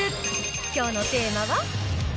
きょうのテーマは。